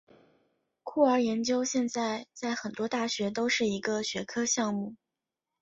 酷儿研究现在在很多大学都是一个学科项目。